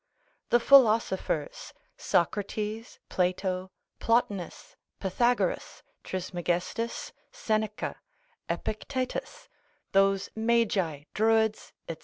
The philosophers, Socrates, Plato, Plotinus, Pythagoras, Trismegistus, Seneca, Epictetus, those Magi, Druids, &c.